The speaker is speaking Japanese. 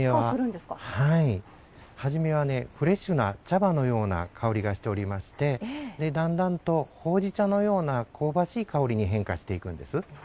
初めはフレッシュな茶葉のような香りがしておりましてだんだんと、ほうじ茶のような香ばしい香りに変化していくんです。